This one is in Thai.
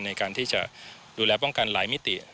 ในการที่จะดูแลป้องกันหลายมิติ